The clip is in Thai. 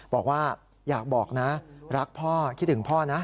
บอกว่าอยากบอกนะรักพ่อคิดถึงพ่อนะ